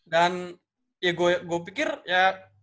dan ya gua pikir ya